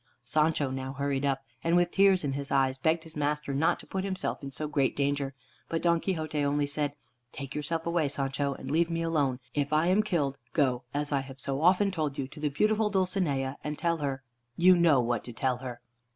Sancho now hurried up, and with tears in his eyes begged his master not to put himself in so great danger, but Don Quixote only said, "Take yourself away, Sancho, and leave me alone. If I am killed, go, as I have so often told you, to the beautiful Dulcinea, and tell her you know what to tell her."